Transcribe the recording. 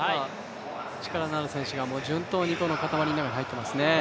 力のある選手が順当にこの固まりの中に入っていますね。